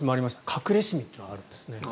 隠れシミというのがあるんですね。